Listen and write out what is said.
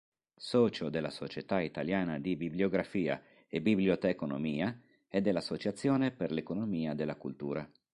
Socio della Società italiana di bibliografia e biblioteconomia e dell'Associazione per l'economia della cultura.